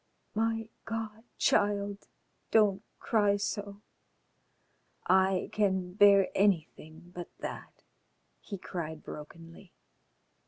"My God! child, don't cry so. I can bear anything but that," he cried brokenly.